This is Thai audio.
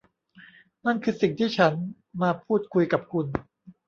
นั่นคือสิ่งที่ฉันมาพูดคุยกับคุณ